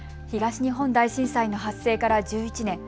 東日本大震災の発生から１１年。